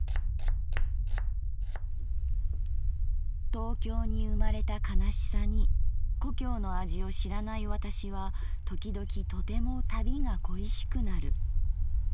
「東京に生まれた悲しさに故郷の味を知らない私はときどきとても旅が恋しくなる。